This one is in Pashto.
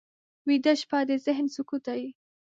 ویده شپه د ذهن سکوت دی